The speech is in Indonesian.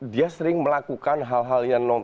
dia sering melakukan hal hal yang non